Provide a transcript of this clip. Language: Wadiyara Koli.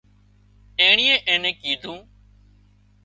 اينڻيئي اين نين ڪيڌُون